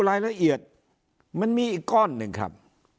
รายละเอียดมันมีอีกก้อนหนึ่งครับ